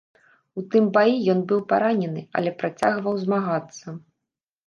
У тым баі ён быў паранены, але працягваў змагацца.